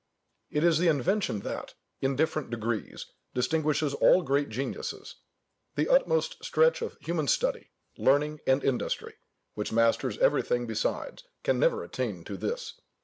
It is the invention that, in different degrees, distinguishes all great geniuses: the utmost stretch of human study, learning, and industry, which masters everything besides, can never attain to this.